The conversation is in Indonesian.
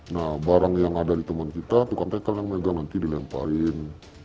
nah barang yang ada di teman kita tukang tkl yang mega nanti dilemparin